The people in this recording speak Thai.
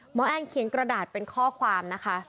แอนเขียนกระดาษเป็นข้อความนะคะ